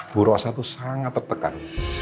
bu rosa itu sangat tertekan